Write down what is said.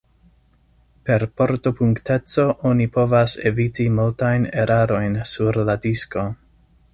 Per portopunkteco oni povas eviti multajn erarojn sur la disko.